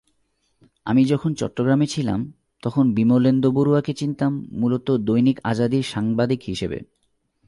আমি যখন চট্টগ্রামে ছিলাম, তখন বিমলেন্দু বড়ুয়াকে চিনতাম মূলত দৈনিক আজাদীর সাংবাদিক হিসেবে।